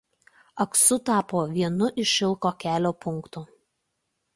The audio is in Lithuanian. Aksu tapo vienu iš Šilko kelio punktų.